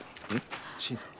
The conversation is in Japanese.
新さん